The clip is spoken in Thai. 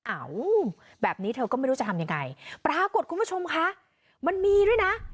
แบบนี้เธอก็ไม่รู้จะทำยังไงปรากฏคุณผู้ชมคะมันมีด้วยนะ